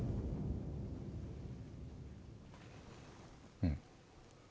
うん。